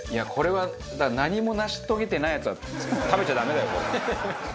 これは何も成し遂げてないヤツは食べちゃダメだよ、これ。